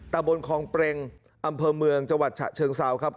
ตะบนคองเปรงอำเภอเมืองจังหวัดฉะเชิงเซาครับ